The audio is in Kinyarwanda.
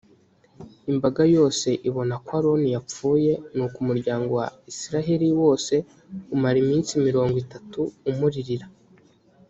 imbaga yose ibona ko aroni yapfuye, nuko umuryango wa israheli wose umara iminsi mirongo itatu umuririra.